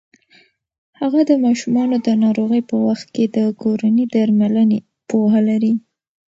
هغه د ماشومانو د ناروغۍ په وخت کې د کورني درملنې پوهه لري.